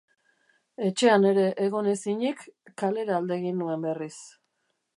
Etxean ere egon ezinik, kalera alde egin nuen berriz.